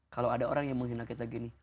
kalau ada orang yang menghina kita gini